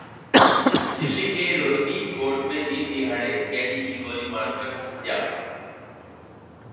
दिल्ली के रोहिणी कोर्ट में दिनदहाड़े कैदी की गोली मारकर हत्या